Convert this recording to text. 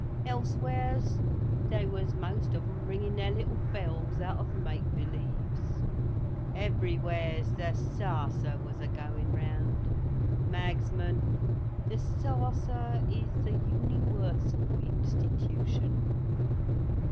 Elsewheres, they was most of 'em ringin their little bells out of make believes. Everywheres, the sarser was a goin round. Magsman, the sarser is the uniwersal Institution!"